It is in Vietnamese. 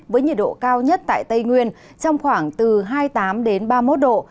với nhiệt độ cao nhất tại tây nguyên trong khoảng từ hai mươi tám ba mươi một độ